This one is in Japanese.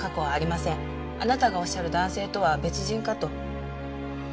あなたがおっしゃる男性とは別人かと。